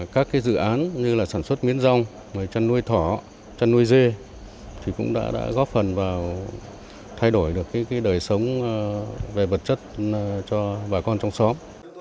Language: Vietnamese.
các dự án như là sản xuất miến rong chăn nuôi thỏ chăn nuôi dê thì cũng đã góp phần vào thay đổi được đời sống về vật chất cho bà con trong xóm